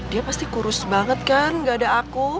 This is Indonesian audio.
dia pasti kurus banget kan gak ada aku